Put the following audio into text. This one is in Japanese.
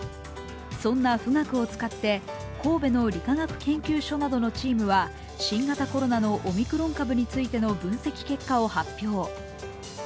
そんな富岳を使って神戸の理化学研究所などのチームは新型コロナのオミクロン株についての分析結果を発表。